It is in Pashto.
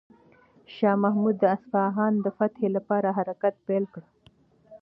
شاه محمود د اصفهان د فتح لپاره حرکت پیل کړ.